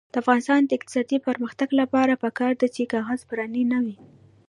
د افغانستان د اقتصادي پرمختګ لپاره پکار ده چې کاغذ پراني نه وي.